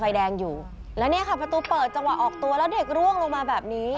แดงอยู่แล้วเนี่ยค่ะประตูเปิดจังหวะออกตัวแล้วเด็กร่วงลงมาแบบนี้